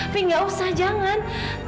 pi enggak usah jangan